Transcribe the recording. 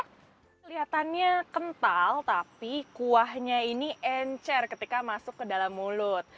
kelihatannya kental tapi kuahnya ini encer ketika masuk ke dalam mulut